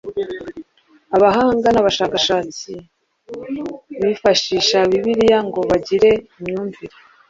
Abahanga n‟abashakashatsi bifashisha Bibiliya ngo bagire imyumvire